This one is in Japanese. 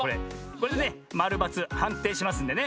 これでねまるばつはんていしますんでね。